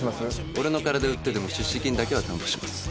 俺の体売ってでも出資金だけは担保します